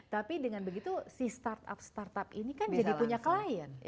tapi dengan begitu si start up start up ini kan jadi punya klien